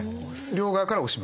両側から押します。